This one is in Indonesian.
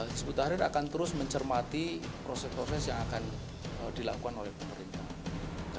hizbut tahrir akan terus mencermati proses proses yang akan dilakukan oleh pemerintah